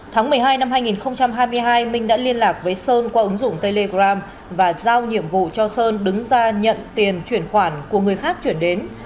tháng một mươi hai năm hai nghìn hai mươi hai minh đã liên lạc với sơn qua ứng dụng telegram và giao nhiệm vụ cho sơn đứng ra nhận tiền chuyển khoản của người khác chuyển đến